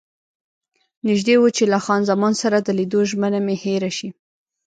نژدې وو چې له خان زمان سره د لیدو ژمنه مې هېره شي.